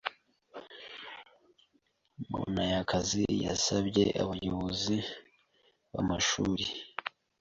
Munaykazi yasabye abayobozi b’amashuri